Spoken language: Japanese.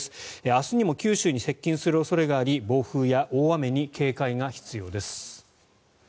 明日にも九州に接近する恐れがあり暴風や大雨に警戒が必要です。